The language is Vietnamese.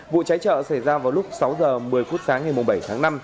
vụ cháy chợ xảy ra vào lúc sáu h một mươi phút sáng ngày bảy tháng năm